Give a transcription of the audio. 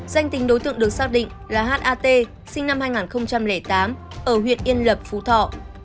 nên tính đối tượng được xác định là h a t sinh năm hai nghìn tám ở huyện yên lập phú thọ